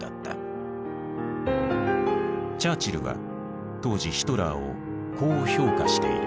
チャーチルは当時ヒトラーをこう評価している。